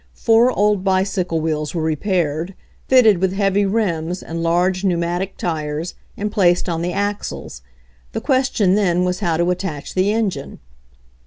Four old bicycle wheels were repaired, fitted with heavy rims and large pnetn matic tires, and placed on the axles. The ques tion then was how to attach the engine.